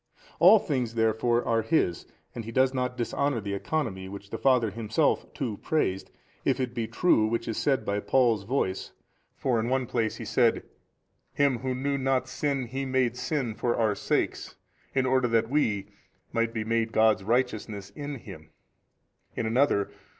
All things therefore are His, and He does not dishonour the economy which the Father Himself too praised, if it be true which is said by Paul's voice: for in one place he said, Him who knew not sin He made sin for our sakes in order that WE might be made God's righteousness in Him, in another.